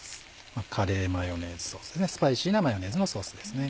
カレーマヨネーズソーススパイシーなマヨネーズのソースですね。